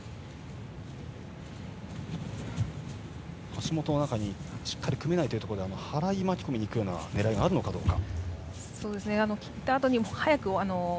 橋本の中にしっかり組めないというところで払い巻き込みに行くような狙いがあるかどうか。